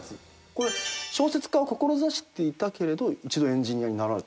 これ小説家を志していたけれど一度エンジニアになられた？